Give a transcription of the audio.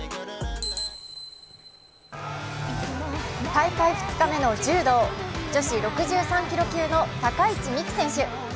大会２日目の柔道、女子６３キロ級の高市未来選手。